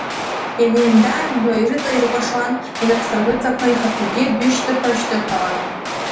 Инеимда-ааимдо ирыҵаиркәашауан инапсыргәыҵақәа, ихаҭагьы дҩышьҭыԥа-шьҭыԥауа.